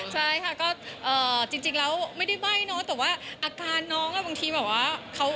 ใช่ค่ะก็จริงแล้วไม่ได้ใบ้เนอะแต่ว่าอาการน้องบางทีแบบว่าเขา